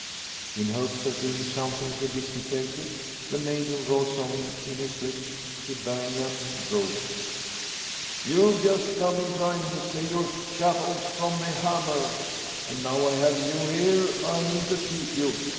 In hopes of doing something to dissipate it, the Major rolls on in his rich Hibernian brogue "You've just come in time to save your chattels from the hammer. And now I have you here I mean to keep you.